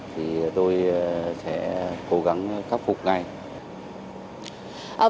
thì tôi sẽ cố gắng cấp phục ngay